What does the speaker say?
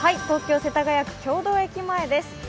東京・世田谷区経堂駅前です